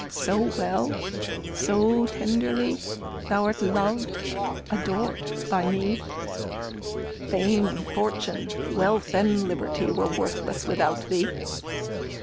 so well, so tenderly Thou'rt loved, adored by me, Fame, fortune, wealth, and liberty, Were worthless without thee.